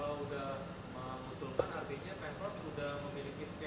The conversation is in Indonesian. artinya petros sudah memiliki skema